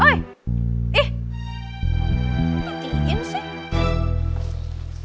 kenapa diingin sih